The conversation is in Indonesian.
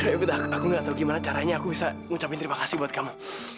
tapi aku gak tau gimana caranya aku bisa ngucapin terima kasih buat kamu